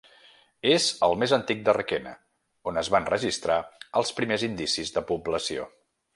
És el més antic de Requena on es van registrar els primers indicis de població.